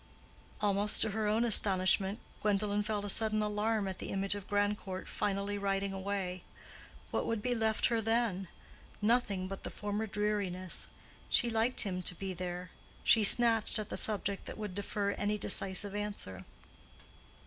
Almost to her own astonishment, Gwendolen felt a sudden alarm at the image of Grandcourt finally riding away. What would be left her then? Nothing but the former dreariness. She liked him to be there. She snatched at the subject that would defer any decisive answer.